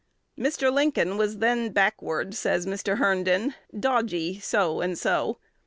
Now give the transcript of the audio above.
"Mr. Lincoln was then backward," says Mr. Herndon, "dodge y, so" and so.